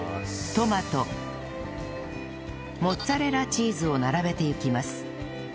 トマトモッツァレラチーズを並べていきます